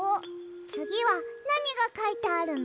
つぎはなにがかいてあるの？